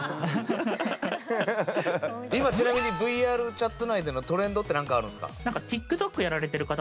今ちなみにＶＲＣｈａｔ内でのトレンドってなんかあるんですか？